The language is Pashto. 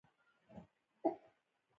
لاندې سور انګار پاتې شو.